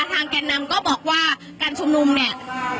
แก่นำก็บอกว่าการชุมนุมเนี่ย